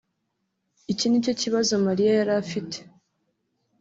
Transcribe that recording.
Iki ni cyo kibazo Mariya yari afite